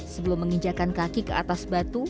sebelum menginjakan kaki ke atas batu